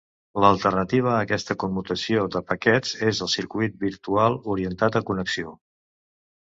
L'alternativa a aquesta commutació de paquets és el circuit virtual, orientat a connexió.